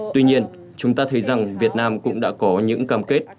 tuy nhiên chúng ta thấy rằng việt nam cũng đã có những cam kết